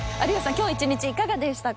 今日一日いかがでしたか？